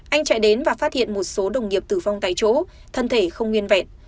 anh chạy đến và phát hiện một số đồng nghiệp tử vong tại chỗ thân thể không nguyên vẹn